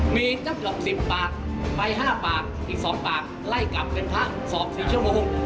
มีจับหลับสิบปากไปห้าปากอีกสองปากไล่กลับเป็นพระสอบสี่ชั่วโมง